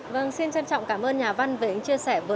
vâng xin trân trọng cảm ơn nhà văn vì anh chia sẻ vừa rồi